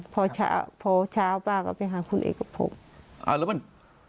พอเช้าป้าก็ไปหาคุณเอกพก